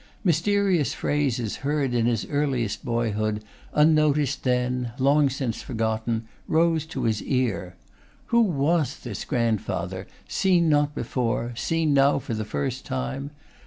Mysterious phrases heard in his earliest boyhood, unnoticed then, long since forgotten, rose to his ear. Who was this grandfather, seen not before, seen now for the first time?